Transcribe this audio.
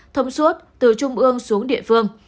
thông suốt từ trung ương xuống địa phương